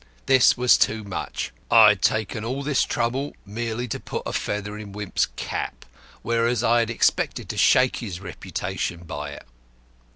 This was too much. I had taken all this trouble merely to put a feather in Wimp's cap, whereas I had expected to shake his reputation by it.